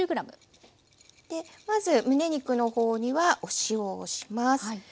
まずむね肉の方にはお塩をします。